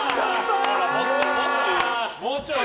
もうちょい。